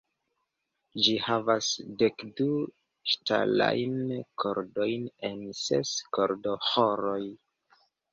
Ĝi havas dekdu ŝtalajn kordojn en ses kordoĥoroj.